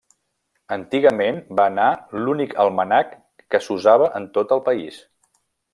Antigament, va anar l'únic almanac que s'usava en tot el país.